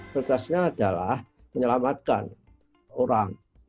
kertasnya adalah menyelamatkan orang